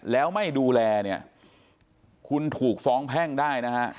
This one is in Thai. แล้วไม่ดูแลเนี่ยคุณถูกฟ้องแพ่งได้นะฮะ